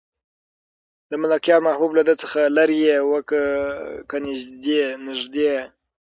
د ملکیار محبوب له ده څخه لرې و که نږدې؟